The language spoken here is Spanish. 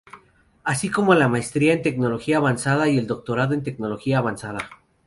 Así como la Maestría en Tecnología Avanzada y el Doctorado en Tecnología Avanzada.